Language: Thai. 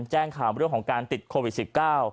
แจ้งข่าวเรื่องของการติดโควิด๑๙